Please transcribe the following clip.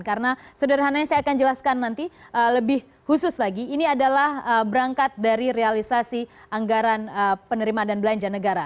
karena sederhananya saya akan jelaskan nanti lebih khusus lagi ini adalah berangkat dari realisasi anggaran penerimaan dan belanja negara